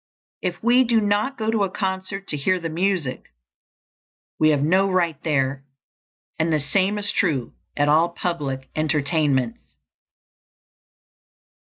If we do not go to a concert to hear the music, we have no right there; and the same is true at all public entertainments.